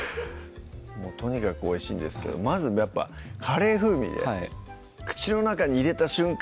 とにかくおいしいんですけどまずやっぱカレー風味で口の中に入れた瞬間